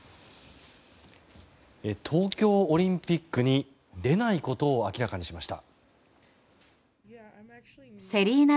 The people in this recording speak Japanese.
東京オリンピックに出ないことを明らかにしました。